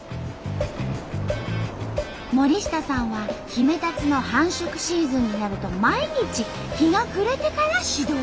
森下さんはヒメタツの繁殖シーズンになると毎日日が暮れてから始動。